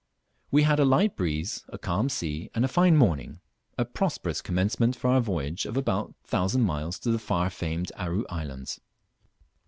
We had a light breeze, a calm sea, and a fine morning, a prosperous commencement of our voyage of about a thousand miles to the far famed Aru Islands.